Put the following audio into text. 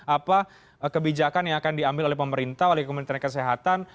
apa kebijakan yang akan diambil oleh pemerintah oleh kementerian kesehatan